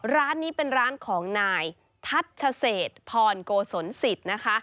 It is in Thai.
ร้านนี้เป็นร้านของนายทัศน์เศสพรโกสนศิษฐ์